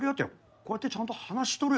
こうやってちゃんと話しとるやないか。